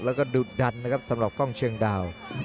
แล้วก็ดุดันนะครับสำหรับกล้องเชียงดาว